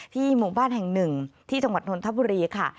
ที่หมู่บ้านแห่ง๑ที่จังหวัดนทบุรีค่ะ